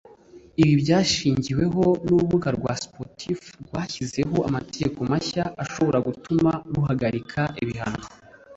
Ibi byashingiweho n’urubuga rwa Spotify rwashyizeho amategeko mashya ashobora gutuma ruhagarika ibihangano